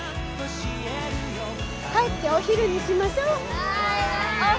帰ってお昼にしましょ。わい！